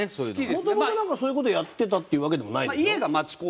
もともとそういう事をやってたっていうわけでもないでしょ？